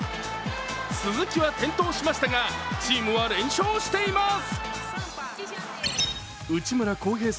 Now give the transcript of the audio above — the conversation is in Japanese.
鈴木は転倒しましたがチームは連勝しています。